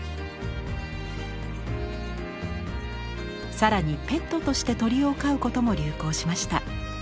更にペットとして鳥を飼うことも流行しました。